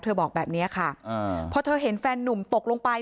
เธอบอกแบบเนี้ยค่ะอ่าเพราะเธอเห็นแฟนนุ่มตกลงไป